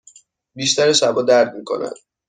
بیشتر شبها درد می کند.